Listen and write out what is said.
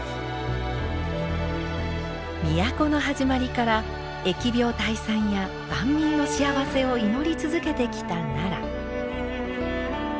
都の始まりから疫病退散や万民の幸せを祈り続けてきた奈良。